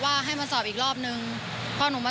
ที่มันชอบได้หรือยัง